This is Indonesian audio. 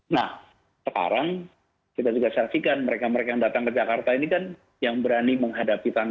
nah sekarang kita juga saksikan mereka mereka yang datang ke jakarta ini kan yang berani menghadapi tantangan